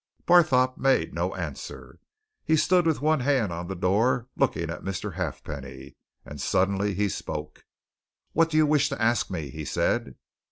Barthorpe made no answer. He still stood with one hand on the door, looking at Mr. Halfpenny. And suddenly he spoke. "What do you wish to ask me?" he said.